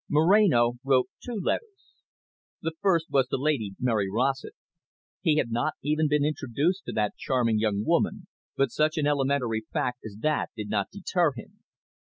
Moreno wrote two letters. The first was to Lady Mary Rossett. He had not even been introduced to that charming young woman, but such an elementary fact as that did not deter him.